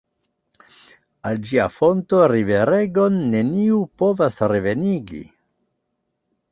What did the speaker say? Al ĝia fonto riveregon neniu povas revenigi.